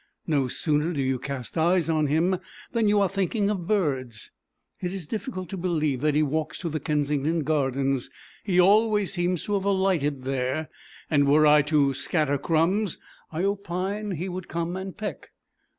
No sooner do you cast eyes on him than you are thinking of birds. It is difficult to believe that he walks to the Kensington Gardens; he always seems to have alighted there: and were I to scatter crumbs I opine he would come and peck.